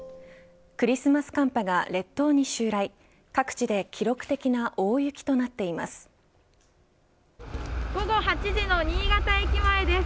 クリスマス寒波が列島に襲来各地で記録的な大雪となっています。